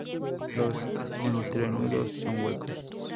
Los entrenudos son huecos.